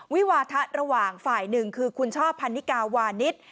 วิวาทะระหว่างฝ่ายหนึ่งคือคุณช่อพันนิกาวานิส